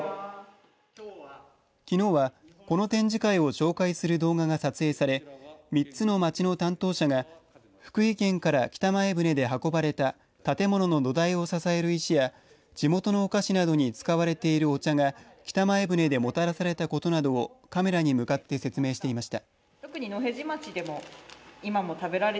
きのうは、この展示会を紹介する動画が撮影され３つの町の担当者が福井県から北前船で運ばれた建物の土台を支える石や地元のお菓子などに使われているお茶が北前船でもたらされたことなどをカメラに向かって説明していました。